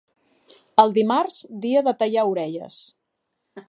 El dimarts, dia de tallar orelles.